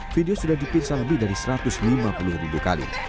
video sudah dipirsa lebih dari satu ratus lima puluh ribu kali